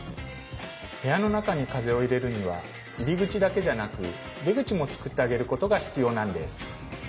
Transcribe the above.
部屋の中に風を入れるには入り口だけじゃなく出口もつくってあげることが必要なんです。